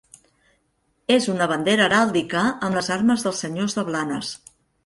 És una bandera heràldica amb les armes dels senyors de Blanes.